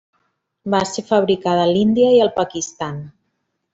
Va ser fabricada a l'Índia i al Pakistan.